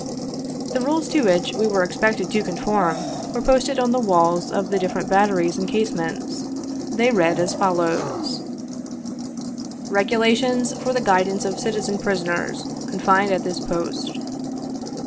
The rules to which we were expected to conform, w^ere posted on the walls of the different batteries and case mates. They read as follows : 33 "REGULATIONS FOR THE GUIDANCE OF CITIZEN PRISONERS CONFINED AT THIS POST.